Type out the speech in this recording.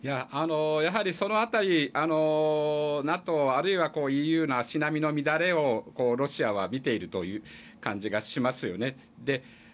やはり、その辺りＮＡＴＯあるいはＥＵの足並みの乱れをロシアは見ているという感じがしますよね。